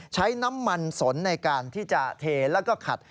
ใช้น้ำมันสนในการที่จะเทแล้วก็ขัด